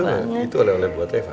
kalau gitu itu oleh oleh buat reva